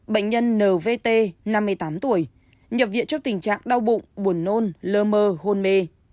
bệnh nhân nvt năm mươi tám tuổi nhập viện trong tình trạng đau bụng buồn nôn lơ mơ hôn mê